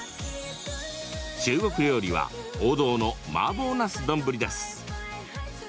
中国料理は王道のマーボーなす丼です。